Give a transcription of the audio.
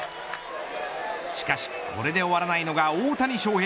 しかし、これで終わらないのが大谷翔平。